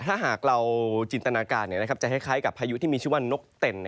ถ้าหากเราจินตนาการจะคล้ายกับพายุที่มีชื่อว่านกเต็น